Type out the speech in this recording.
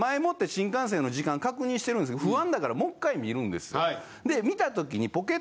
新幹線の時間確認してるんですけど不安だからもう１回見るんですよ。